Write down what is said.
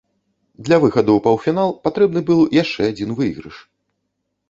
Для выхаду ў паўфінал патрэбны быў яшчэ адзін выйгрыш.